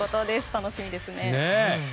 楽しみですね。